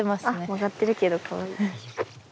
曲がってるけどかわいい。